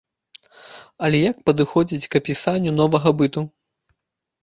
Але як падыходзіць к апісанню новага быту?